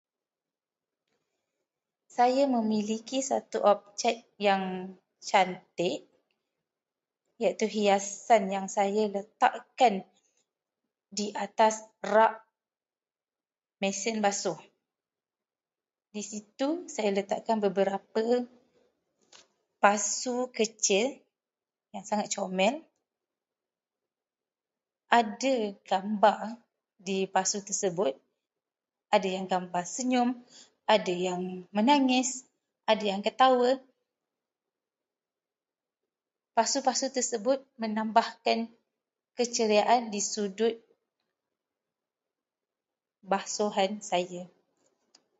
Saya memiliki satu objek yang cantik iaitu hiasan yang saya letakkan di atas rak mesin basuh. Di situ saya letakkan beberapa pasu kecil yang sangat comel. Ada gambar di pasu tersebut. Ada yang gambar senyum, ada yang menangis, ada yang ketawa. Pasu-pasu tersebut menambahkan keceriaan di sudut basuhan saya.